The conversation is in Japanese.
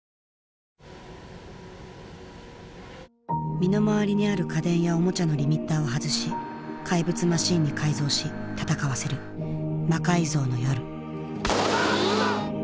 身の回りにある家電やおもちゃのリミッターを外し怪物マシンに改造し戦わせる「魔改造の夜」。